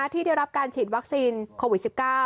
ที่ได้รับการฉีดวัคซีนโควิด๑๙